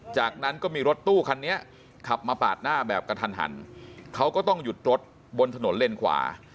จากนั้นก็มีรถตู้คันนี้ขับมาปาดหน้าแบบกระทันหันเขาก็ต้องหยุดรถบนถนนเลนขวา